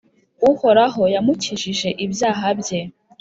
Uhoraho yamukijije ibyaha bye,